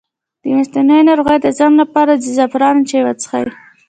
د میاشتنۍ ناروغۍ د ځنډ لپاره د زعفران چای وڅښئ